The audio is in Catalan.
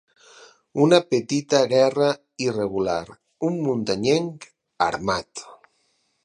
Una petita guerra irregular, un muntanyenc armat.